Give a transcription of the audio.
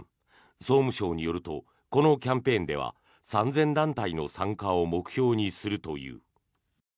総務省によるとこのキャンペーンでは３０００団体の参加を目標にするという。